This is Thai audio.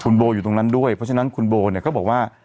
คุณโบอยู่ตรงนั้นด้วยเพราะฉะนั้นคุณโบเนี่ยก็บอกว่า